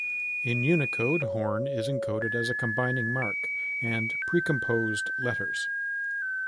In Unicode, horn is encoded as a combining mark, and precomposed letters.